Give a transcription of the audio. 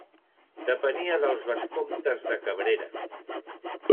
Depenia dels vescomtes de Cabrera.